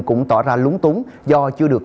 cũng tỏ ra lúng túng do chưa được